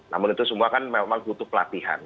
namun itu semua kan memang butuh pelatihan